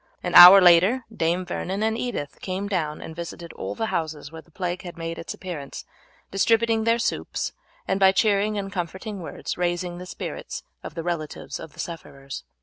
An hour later Dame Vernon and Edith came down and visited all the houses where the plague had made its appearance, distributing their soups, and by cheering and comforting words raising the spirits of the relatives of the sufferers.